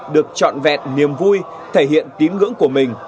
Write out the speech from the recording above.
được trọn vẹn niềm vui thể hiện tín ngưỡng của mình